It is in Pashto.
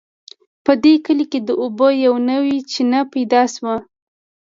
په دې کلي کې د اوبو یوه نوې چینه پیدا شوې